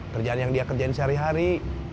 kerjaan yang dia kerjain sehari hari